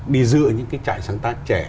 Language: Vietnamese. đi dựa những cái trại sáng tác trẻ